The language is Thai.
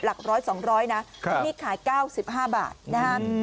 หลักร้อย๒๐๐นะนี่ขาย๙๕บาทนะครับ